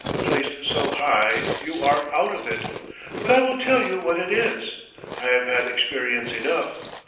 Placed so high, you are out of it. But I will tell you what it is. I have had experience enough.